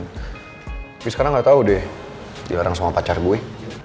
tapi sekarang gak tau deh dia orang sama pacar gue